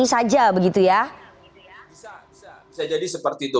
bisa bisa bisa jadi seperti itu